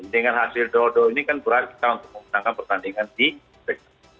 dengan hasil dodo ini kan berarti kita untuk memenangkan pertandingan di piala aff